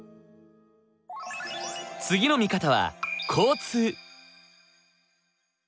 次の見方は交通。